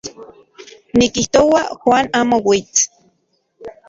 Nikijtoa Juan amo uits.